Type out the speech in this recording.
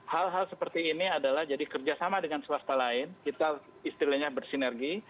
hal hal seperti ini adalah jadi kerjasama dengan swasta lain kita istilahnya bersinergi